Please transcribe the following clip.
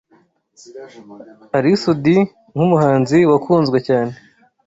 Ally Soudy nk’umuhanzi wakunzwe cyane